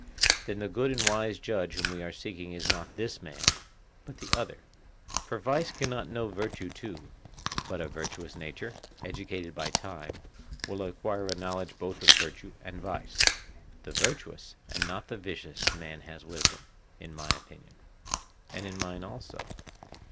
Then the good and wise judge whom we are seeking is not this man, but the other; for vice cannot know virtue too, but a virtuous nature, educated by time, will acquire a knowledge both of virtue and vice: the virtuous, and not the vicious, man has wisdom—in my opinion. And in mine also.